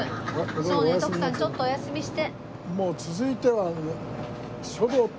そうね徳さんちょっとお休みして。